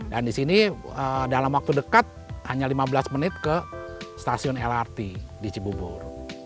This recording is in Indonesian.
dan disini dalam waktu dekat hanya lima belas menit ke stasiun lrt di cibubur